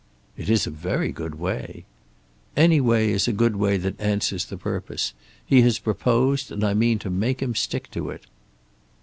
"It is a very good way." "Any way is a good way that answers the purpose. He has proposed, and I mean to make him stick to it."